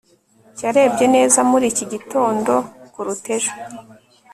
yarebye neza muri iki gitondo kuruta ejo